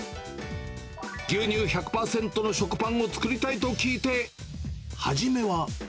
牛乳１００％の食パンを作りたいと聞いて、はじめは。